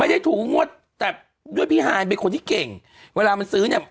ถูกงวดแต่ด้วยพี่ฮายเป็นคนที่เก่งเวลามันซื้อเนี่ย